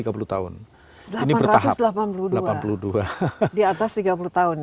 kita punya program mengganti delapan ratus delapan puluh dua kereta yang usianya diatas tiga puluh tahun